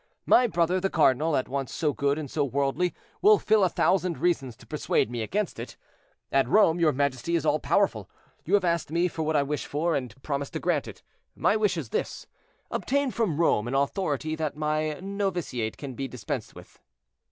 My brother, the cardinal, at once so good and so worldly, will find a thousand reasons to persuade me against it. At Rome your majesty is all powerful; you have asked me what I wish for, and promised to grant it; my wish is this, obtain from Rome an authority that my novitiate be dispensed with."